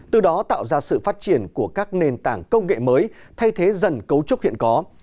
từ đó tạo ra sự phát triển của các nền tảng công nghệ mới thay thế dần cấu trúc hiện có